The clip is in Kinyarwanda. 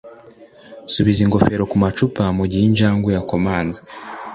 subiza ingofero kumacupa mugihe injangwe yakomanze